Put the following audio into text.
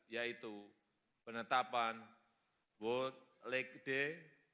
yaitu penetapan world league day